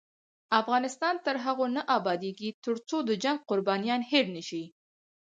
افغانستان تر هغو نه ابادیږي، ترڅو د جنګ قربانیان هیر نشي.